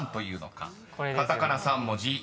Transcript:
［カタカナ３文字。